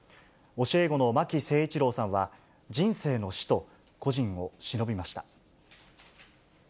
教え子の巻誠一郎さんは、人生の師と、故人をしのびました。